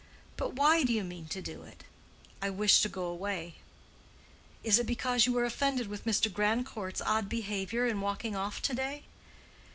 "But why do you mean to do it?" "I wish to go away." "Is it because you are offended with Mr. Grandcourt's odd behavior in walking off to day?"